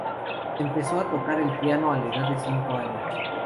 Empezó a tocar el piano a la edad de cinco años.